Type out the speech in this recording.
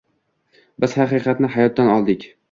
Biz haqiqatni hayotdan oldik.